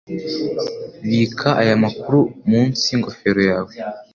Bika aya makuru munsi yingofero yawe.